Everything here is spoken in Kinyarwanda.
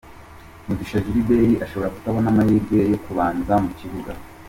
Mugisha Gilbert ashobora kutabona amahirwe yo kubanza mu kibuga .